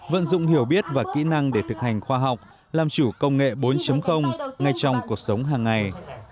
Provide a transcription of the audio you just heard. vận dụng hiểu biết và kỹ năng để thực hành khoa học làm chủ công nghệ bốn ngay trong cuộc sống hàng ngày